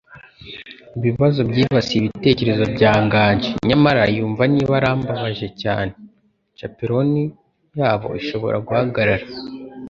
Ibibazo byibasiye ibitekerezo bya Nganji, nyamara yumva niba arambabaje cyane, chaperone yabo ishobora guhagarara.